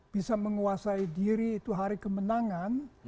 bisa menguasai diri itu hari kemenangan